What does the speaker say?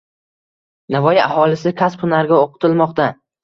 Navoiy aholisi kasb-hunarga o‘qitilmoqda?